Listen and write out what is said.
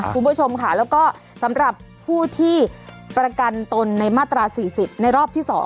คุณผู้ชมค่ะแล้วก็สำหรับผู้ที่ประกันตนในมาตรา๔๐ในรอบที่๒